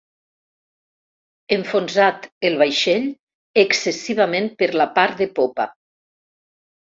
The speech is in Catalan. Enfonsat, el vaixell, excessivament per la part de popa.